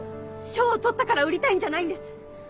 賞を取ったから売りたいんじゃないんです。